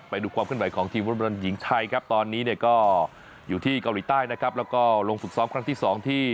ไปดูความขึ้นไหวของทีมฟุตบอลหญิงไทยครับตอนนี้เนี่ยก็อยู่ที่เกาหลีใต้นะครับแล้วก็ลงฝึกซ้อมครั้งที่สองที่